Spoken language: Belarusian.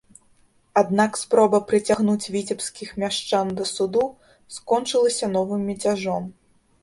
Аднак спроба прыцягнуць віцебскіх мяшчан да суду скончылася новым мяцяжом.